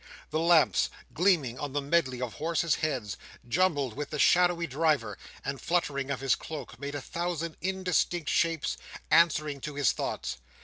The lamps, gleaming on the medley of horses' heads, jumbled with the shadowy driver, and the fluttering of his cloak, made a thousand indistinct shapes, answering to his thoughts.